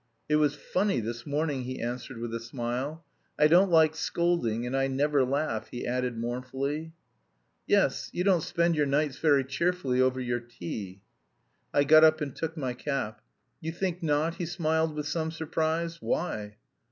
It was funny this morning," he answered with a smile. "I don't like scolding, and I never laugh," he added mournfully. "Yes, you don't spend your nights very cheerfully over your tea." I got up and took my cap. "You think not?" he smiled with some surprise. "Why?